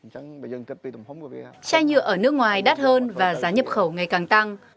chai nhựa ở nước ngoài đắt hơn và giá nhập khẩu ngày càng tăng